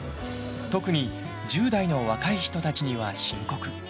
特に１０代の若い人たちには深刻。